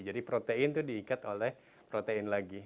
jadi protein itu diikat oleh protein lagi